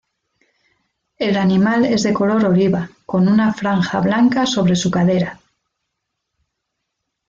El animal es de color oliva, con una franja blanca sobre su cadera.